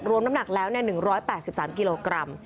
รวมน้ำหนักแล้วเนี่ยหนึ่งร้อยแปดสิบสามกิโลกรัม